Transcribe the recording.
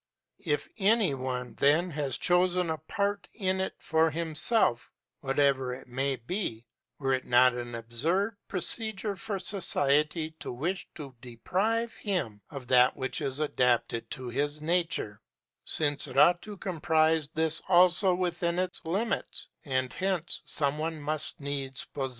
If any one, then, has chosen a part in it for himself, whatever it may be, were it not an absurd procedure for society to wish to deprive him of that which is adapted to his nature since it ought to comprise this also within its limits, and hence some one must needs possess it?